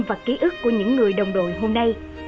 và ký ức của những người đồng đội hôm nay